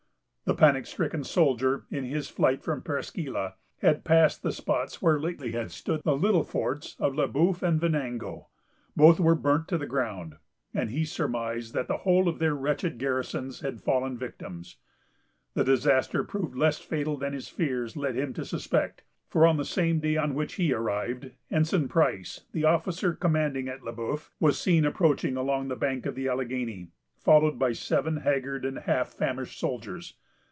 The panic stricken soldier, in his flight from Presqu' Isle, had passed the spots where lately had stood the little forts of Le Bœuf and Venango. Both were burnt to the ground, and he surmised that the whole of their wretched garrisons had fallen victims. The disaster proved less fatal than his fears led him to suspect; for, on the same day on which he arrived, Ensign Price, the officer commanding at Le Bœuf, was seen approaching along the bank of the Alleghany, followed by seven haggard and half famished soldiers.